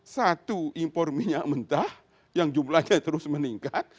satu impor minyak mentah yang jumlahnya terus meningkat